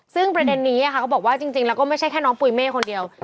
ซึ่งประเด็นนี้เขาบอกว่าจริงแล้วก็ไม่ใช่แค่น้องปุ๋ยเมฆคนเดียว